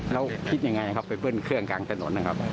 แล้วคิดยังไงครับไปเบิ้ลเครื่องกลางถนนนะครับ